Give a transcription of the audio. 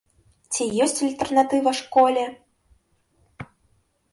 Ці ёсць альтэрнатыва школе?